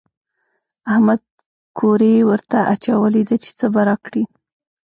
احمد کوری ورته اچولی دی چې څه به راکړي.